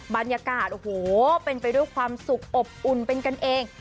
บรรยากาศโอ้โหเป็นไปด้วยความสุขอบอุ่นเป็นกันเอง